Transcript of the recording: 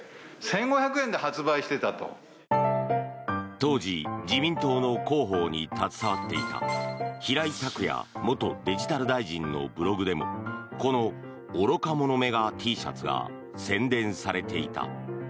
当時自民党の広報に携わっていた平井卓也元デジタル大臣のブログでも「この愚か者めがＴシャツ」が宣伝されていた。